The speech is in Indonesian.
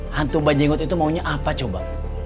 hantu banjengut itu maunya apa coba